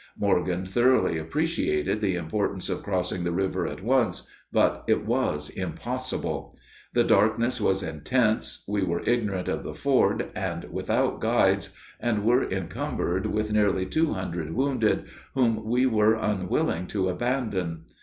Morgan thoroughly appreciated the importance of crossing the river at once, but it was impossible. The darkness was intense, we were ignorant of the ford and without guides, and were encumbered with nearly two hundred wounded, whom we were unwilling to abandon.